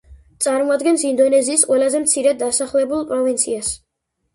წარმოადგენს ინდონეზიის ყველაზე მცირედ დასახლებულ პროვინციას.